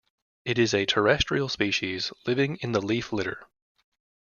It is a terrestrial species living in the leaf litter.